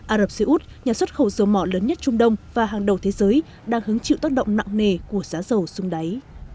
ả rập xê út nhà xuất khẩu dầu mỏ lớn nhất trung đông và hàng đầu thế giới đang hứng chịu tác động nặng nề của giá dầu xung đáy